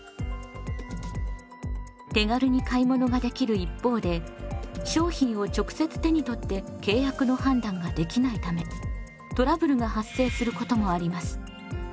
手軽に買い物ができる一方で商品を直接手に取って契約の判断ができないためトラブルが発生することもあります。